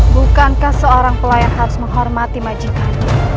bukankah seorang pelayan harus menghormati majikan